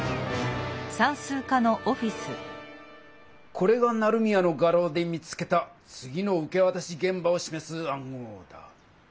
これが成宮の画廊で見つけた次の受けわたしげん場をしめす暗号だ。